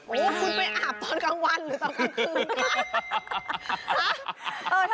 คุณไปอาบตอนกลางวันหรือตอนกลางคืน